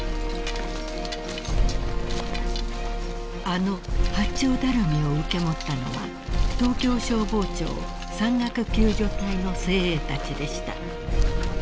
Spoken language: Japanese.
［あの八丁ダルミを受け持ったのは東京消防庁山岳救助隊の精鋭たちでした］